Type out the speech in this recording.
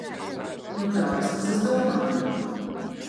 Nu tā vismaz es domāju.